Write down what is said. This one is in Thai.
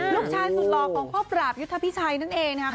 ลูกชายสุดหลอมของครอบราบยุทธ์พี่ชายนั่นเองนะคะ